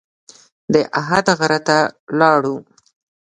د احد غره ته لاړو.